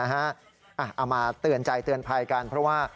เอามาเตือนใจเตือนภัยกันเพราะว่า